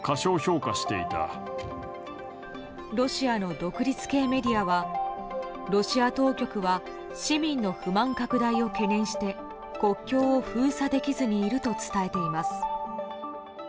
ロシアの独立系メディアはロシア当局は市民の不満拡大を懸念して国境を封鎖できずにいると伝えています。